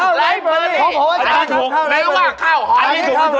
เออมาไปเข้าสาม